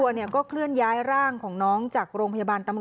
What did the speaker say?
ตอนที่อยู่กับตัวก็เลยใช้กับนี้ค่ะ